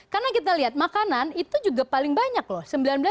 karena kita lihat makanan itu juga paling banyak loh